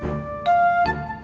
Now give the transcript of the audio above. kamu mau ke rumah